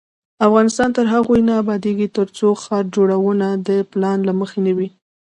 افغانستان تر هغو نه ابادیږي، ترڅو ښار جوړونه د پلان له مخې نه وي.